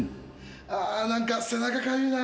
あー、なんか背中かゆいな。